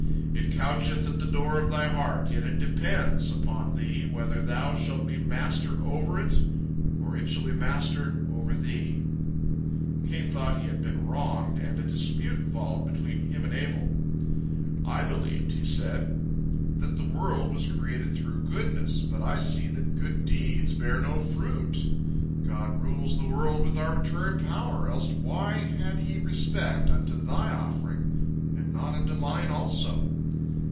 It coucheth at the door of thy heart, yet it depends upon thee whether thou shalt be master over it, or it shall be master over thee." Cain thought he had been wronged, and a dispute followed between him and Abel. "I believed," he said, "that the world was created through goodness, but I see that good deeds bear no fruit. God rules the world with arbitrary power, else why had He respect unto thy offering, and not unto mine also?"